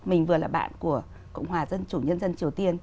mình vừa là bạn của cộng hòa dân chủ nhân dân triều tiên